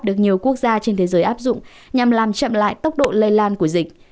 được nhiều quốc gia trên thế giới áp dụng nhằm làm chậm lại tốc độ lây lan của dịch